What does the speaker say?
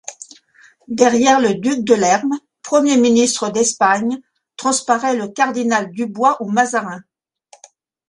Derrière le duc de Lerme, Premier ministre d’Espagne transparaît le cardinal Dubois ou Mazarin.